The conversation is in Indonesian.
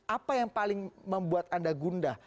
apa yang paling membuat anda gundah